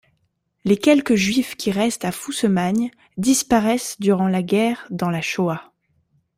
Les quelques Juifs qui restent à Foussemagne disparaissent durant la guerre dans la Shoah.